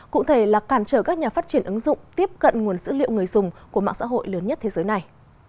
cụ thể là cản trở các nhà phát triển ứng dụng tiếp cận nguồn dữ liệu người dùng của mạng xã hội lớn nhất thế giới này